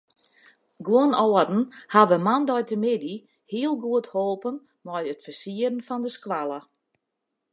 Guon âlden hawwe moandeitemiddei heel goed holpen mei it fersieren fan de skoalle.